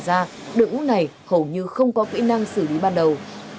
các đội ngũ này hầu như không có vĩ năng xử lý ban đầu